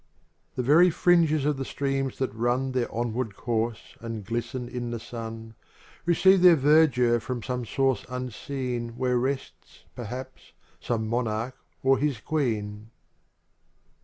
The very fringes of the streams that run Their onward course and glisten in the sun. Receive their verdure from some source unseen Where rests, perhaps, some monarch or his queen.